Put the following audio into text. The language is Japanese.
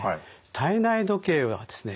体内時計はですね